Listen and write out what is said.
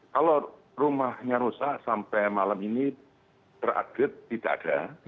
kalau rumahnya rusak sampai malam ini terupdate tidak ada